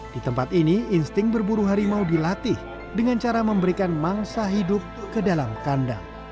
di tempat ini insting berburu harimau dilatih dengan cara memberikan mangsa hidup ke dalam kandang